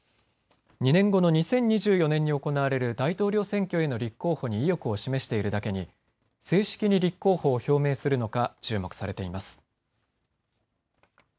２年後の２０２４年に行われる大統領選挙への立候補に意欲を示しているだけに正式に立候補を表明するのか注目されています。